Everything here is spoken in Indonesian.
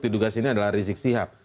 diduga sini adalah rizik sihab